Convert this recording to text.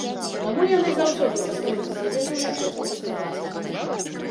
Таму яны заўсёды застаюцца залежнымі ад бацькоўскай ласкі.